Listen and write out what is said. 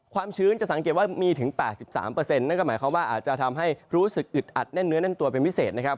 ชื้นจะสังเกตว่ามีถึง๘๓นั่นก็หมายความว่าอาจจะทำให้รู้สึกอึดอัดแน่นเนื้อแน่นตัวเป็นพิเศษนะครับ